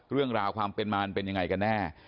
เรื่องราวความเป็นมามันเป็นยังไงกันแน่